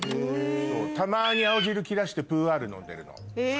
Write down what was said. たまに青汁切らしてプーアール飲んでるの。え。